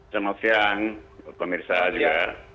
selamat siang pak mirsa juga